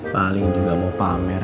paling juga mau pamer